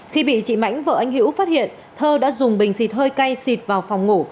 khi bị chị mãnh vợ anh hữu phát hiện thơ đã dùng bình xịt hơi cay xịt vào phòng ngủ